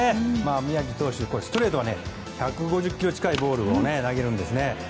宮城投手、ストレートは１５０キロ近いボールを投げるんですよね。